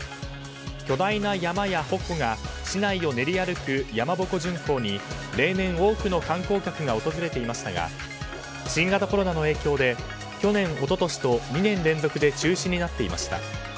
巨大な山や鉾が市内を練り歩く山鉾巡行に例年多くの観光客が訪れていましたが新型コロナの影響で去年、一昨年と２年連続で中止になっていました。